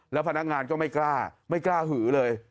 แล้วพนักงานก็ไม่กล้าไม่กล้าหือเลย